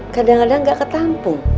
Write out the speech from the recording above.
kadang kadang gak ketampung